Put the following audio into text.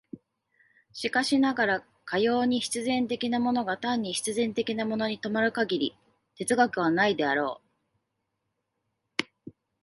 しかしながら、かように必然的なものが単に必然的なものに止まる限り哲学はないであろう。